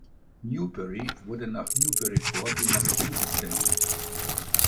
Newbury wurde nach Newburyport in Massachusetts benannt.